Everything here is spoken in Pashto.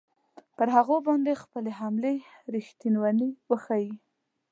پر هغوی باندې خپلې حملې ریښتوني وښیي.